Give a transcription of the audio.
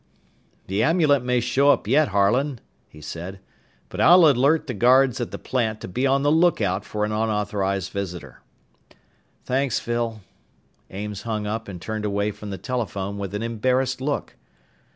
"The amulet may show up yet, Harlan," he said. "But I'll alert the guards at the plant to be on the lookout for an unauthorized visitor." "Thanks, Phil." Ames hung up and turned away from the telephone with an embarrassed look.